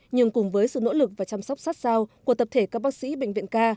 nhưng cùng với sự nỗ lực và chăm sóc sát sao của tập thể các bác sĩ bệnh viện ca